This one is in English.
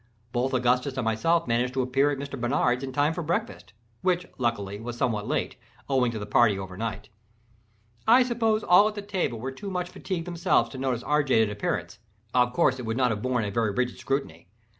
Both Augustus and myself managed to appear at Mr. Barnard's in time for breakfast—which, luckily, was somewhat late, owing to the party over night. I suppose all at the table were too much fatigued themselves to notice our jaded appearance—of course, it would not have borne a very rigid scrutiny.